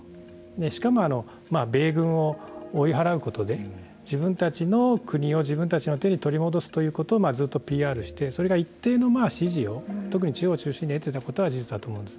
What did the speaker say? しかも米軍を追い払うことで自分たちの国を自分たちの手に取り戻すということをずっとＰＲしてそれが一定の支持を特に得ていたことことは事実だと思います。